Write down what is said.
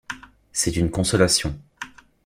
C’est une consolation.